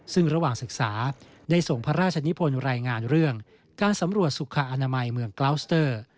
ซึ่งระหว่างศึกษาได้ส่งพระราชนิพลรายงานเรื่องการสำรวจสุขอนามัยเมืองกลาวสเตอร์